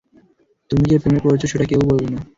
তুমি যে প্রেমে পড়েছ সেটা কেউই বলবে না।